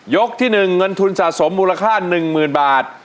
ยกที่หนึ่งเงินทุนสะสมมูลค่าหนึ่งหมื่นบาท